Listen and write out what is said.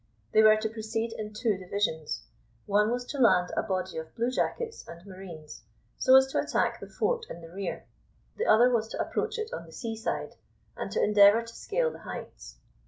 They were to proceed in two divisions. One was to land a body of bluejackets and marines, so as to attack the fort in the rear; the other was to approach it on the sea side, and to endeavour to scale the heights.